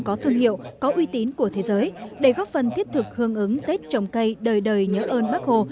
có thương hiệu có uy tín của thế giới để góp phần thiết thực hương ứng tết trồng cây đời đời nhớ ơn bác hồ